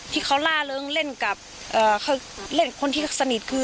เพราะอาเองก็ดูข่าวน้องชมพู่